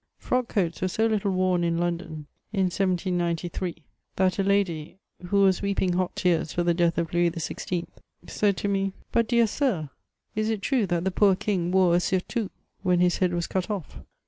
'* Frock coats were so little worn in London in 1793, that a lady, who was weeping hot tears for the death of Louis XVT., said to me :'^ But, dear sir, is it true that the poor king wore a surtoui when his head was cut off?"